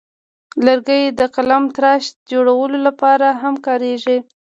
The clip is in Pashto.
لرګی د قلمتراش جوړولو لپاره هم کاریږي.